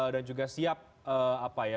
dan juga siap apa ya